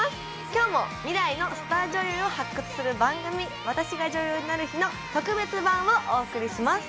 今日も未来のスター女優を発掘する番組「私が女優になる日」の特別版をお送りします